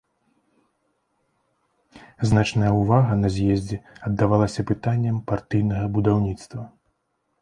Значная ўвага на з'ездзе аддавалася пытанням партыйнага будаўніцтва.